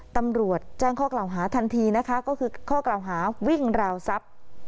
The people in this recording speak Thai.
ตำรวจแจ้งข้อกล่าวหาทันทีนะคะก็คือข้อกล่าวหาวิ่งราวทรัพย์